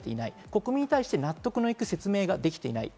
国民に対して納得のいく説明ができてない。